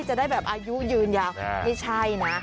จะได้แบบอายุยืนยาวไม่ใช่นะ